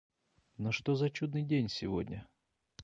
Но что за чудный день сегодня!